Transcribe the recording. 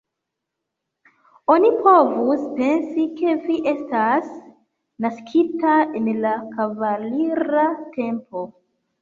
Oni povus pensi, ke vi estas naskita en la kavalira tempo.